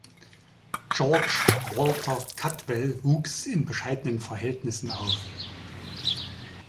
George Walter Caldwell wuchs in bescheidenen Verhältnissen auf.